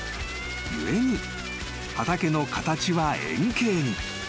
故に畑の形は円形に］